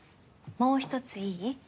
もう１ついい？